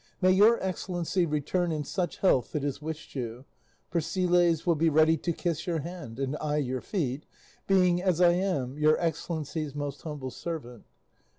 May Your Excellency return in such health that is wished you; Persiles will be ready to kiss your hand and I your feet, being as I am, Your Excellency's most humble servant.